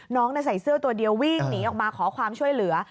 น้องใส่เสื้อตัวเดียววิ่งหนีออกมาขอความช่วยเหลือ